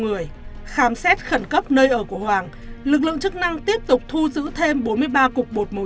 người khám xét khẩn cấp nơi ở của hoàng lực lượng chức năng tiếp tục thu giữ thêm bốn mươi ba cục bột màu